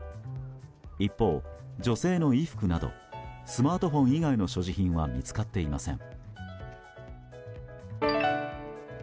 一方、女性の衣服などスマートフォン以外の所持品は見つかっていません。